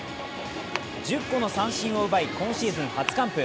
１０個の三振を奪い、今シーズン初完封。